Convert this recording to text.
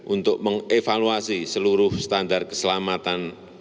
untuk mengevaluasi seluruh standar keselamatan